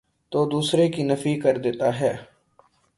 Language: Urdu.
تودوسرے کی نفی کردیتا ہے۔